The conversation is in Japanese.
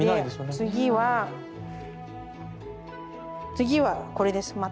で次は次はこれです。